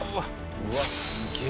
うわっすげえ。